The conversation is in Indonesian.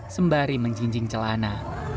sembari menjinjing celana